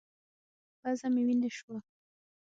پزه مې وينې سوه.